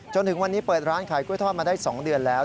จนถึงวันนี้เปิดร้านขายกล้วยทอดมาได้๒เดือนแล้ว